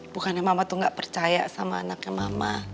bukannya mama tuh gak percaya sama anaknya mama